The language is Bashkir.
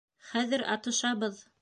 Хәҙер атышабыҙ!